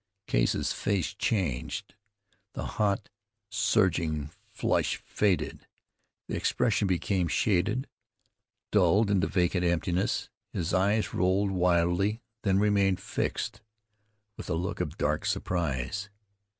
Case's face changed. The hot, surging flush faded; the expression became shaded, dulled into vacant emptiness; his eyes rolled wildly, then remained fixed, with a look of dark surprise.